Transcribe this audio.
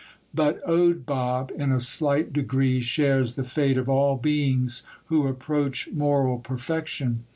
But Owd Bob in a slight degree shares the fate of all beings who approach moral perfection.